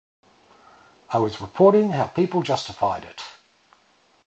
'I was reporting how people justified it.